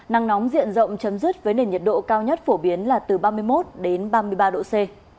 nắng nóng diện rộng chấm dứt với nền nhiệt độ cao nhất phổ biến là từ ba mươi một đến ba mươi ba độ c